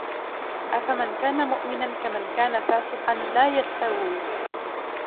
أَفَمَنْ كَانَ مُؤْمِنًا كَمَنْ كَانَ فَاسِقًا لَا يَسْتَوُونَ